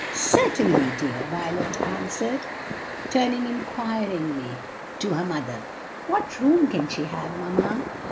"Certainly, dear," Violet answered. Turning inquiringly to her mother, "What room can she have, mamma?"